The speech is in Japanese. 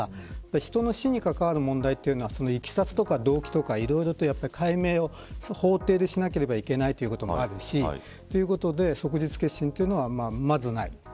人の死に関わる問題というのはいきさつとか動機とか、いろいろと解明を法廷でしなければいけないこともあるしということで即日結審というのは、まずない。